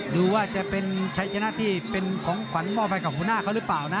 ดูว่าจะใช้ชนะที่เป็นของขวานมอฟบายขาวคุณ่าหรือเปล่านะ